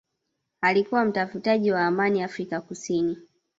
alikuwa mtafutaji wa amani Afrika Kusini